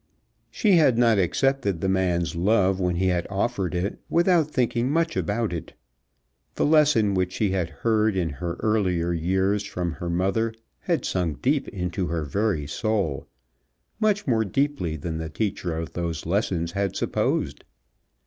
She had not accepted the man's love when he had offered it, without thinking much about it. The lesson which she had heard in her earlier years from her mother had sunk deep into her very soul, much more deeply than the teacher of those lessons had supposed.